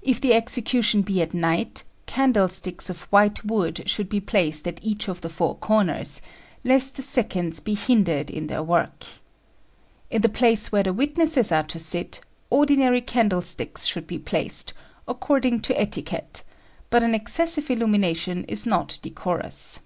If the execution be at night, candlesticks of white wood should be placed at each of the four corners, lest the seconds be hindered in their work. In the place where the witnesses are to sit, ordinary candlesticks should be placed, according to etiquette; but an excessive illumination is not decorous.